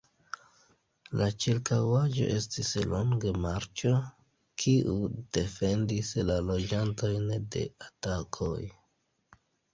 La ĉirkaŭaĵo estis longe marĉo, kiu defendis la loĝantojn de atakoj.